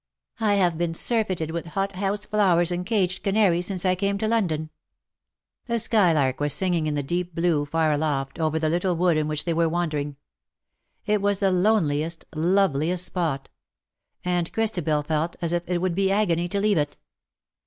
I have been surfeited with hot house flowers and caged canaries since I came to London. ^^ A skylark was singing in the deep blue, far aloft, over the little wood in which they were wandering. It was the loneliest, loveliest spot ; and Christabel felt as if it would be agony to leave it.